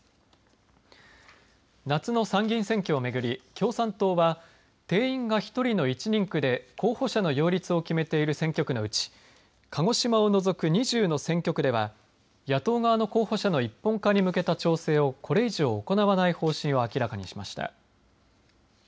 夏の参議院選挙を巡り共産党は定員が１人の１人区で候補者の擁立を決めている選挙区のうち鹿児島を除く２０の選挙区では野党側の候補者の一本化に向けた調整をこれ以上、行わない方針を明らかにしました。